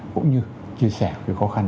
cũng như chia sẻ cái khó khăn